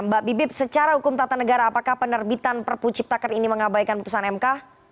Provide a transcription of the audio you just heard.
mbak bibip secara hukum tata negara apakah penerbitan prp cipta kerja ini mengabaikan putusan mk